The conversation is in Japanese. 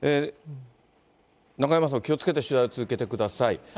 中山さん、気をつけて取材を続けてください。